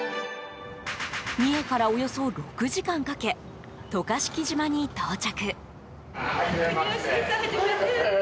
三重からおよそ６時間かけ渡嘉敷島に到着。